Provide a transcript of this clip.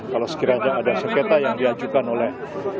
kalau sekiranya ada sengketa yang diajukan oleh